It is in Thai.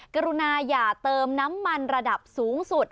กรุณาอย่าเติมน้ำมันระดับสูงสุด